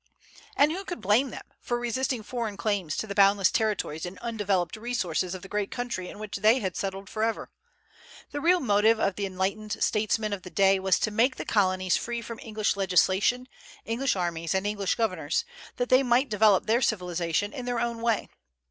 And who could blame them for resisting foreign claims to the boundless territories and undeveloped resources of the great country in which they had settled forever? The real motive of the enlightened statesmen of the day was to make the Colonies free from English legislation, English armies, and English governors, that they might develop their civilization in their own way.